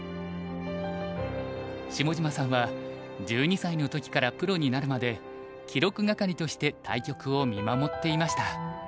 下島さんは１２歳の時からプロになるまで記録係として対局を見守っていました。